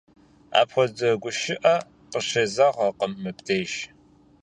Апхуэдэ гушыӀэ къыщезэгъыркъым мыбдеж.